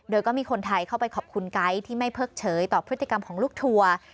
โดยก็มีคนไทยเข้าไปขอบคุณไก๊ที่ไม่เพิกเฉยต่อพฤติกรรมของลูกทัวร์